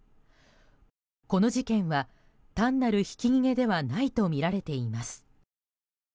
この事件、単なるひき逃げではないとみられています。